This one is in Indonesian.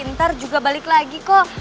ntar juga balik lagi kok